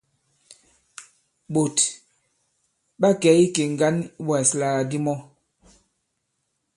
Ɓòt ɓa kɛ̀ ikè ŋgǎn iwàslàgàdi mɔ.